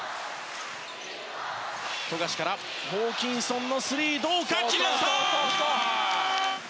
富樫からホーキンソンのスリーどうか、決まった！